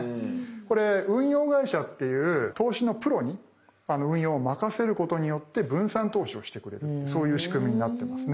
これ運用会社っていう投資のプロに運用を任せることによって分散投資をしてくれるそういう仕組みになってますね。